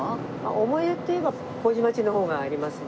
思い出っていえば麹町の方がありますね。